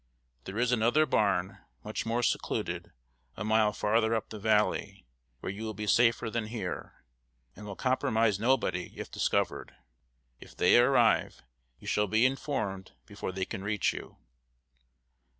There is another barn, much more secluded, a mile farther up the valley, where you will be safer than here, and will compromise nobody if discovered. If they arrive, you shall be informed before they can reach you."